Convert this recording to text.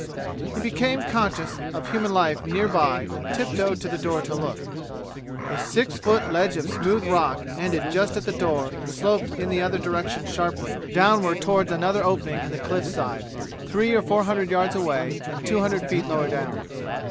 He became conscious of human life near by and tip toed to the door to look. A six foot ledge of smooth rock ended just at the door and sloped in the other direction sharply downward toward another opening in the cliff side, three or four hundred yards away and two hundred feet lower down.